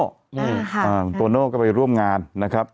คุณโตโน่ก็ไปร่วมงานนะครับ